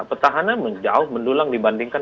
petahana jauh mendulang dibandingkan